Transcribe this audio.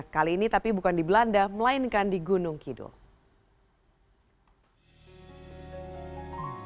kali ini tapi bukan di belanda melainkan di gunung kidul